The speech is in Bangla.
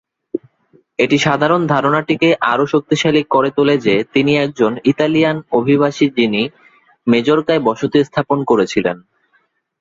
এটি সাধারণ ধারণাটিকে আরও শক্তিশালী করে তোলে যে তিনি একজন ইতালিয়ান অভিবাসী যিনি মেজর্কায় বসতি স্থাপন করেছিলেন।